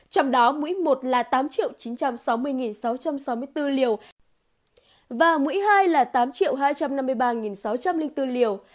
trong đó mũi một là tám chín trăm sáu mươi sáu trăm sáu mươi bốn liều và mũi hai là tám hai trăm năm mươi ba sáu trăm linh bốn liều